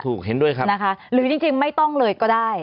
เห็นด้วยครับนะคะหรือจริงไม่ต้องเลยก็ได้